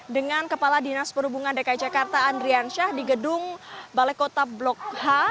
dengan kepala dinas perhubungan dki jakarta andrian syah di gedung balai kota blok h